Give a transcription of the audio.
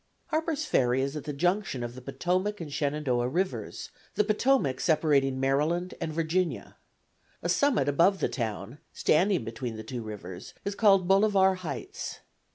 Harper's Ferry is at the junction of the Potomac and Shenandoah Rivers, the Potomac separating Maryland and Virginia. A summit above the town, standing between the two rivers, is called Bolivar Heights.